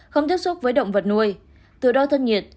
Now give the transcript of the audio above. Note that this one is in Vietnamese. không tiếp xúc với động vật nuôi từ đo thân nhiệt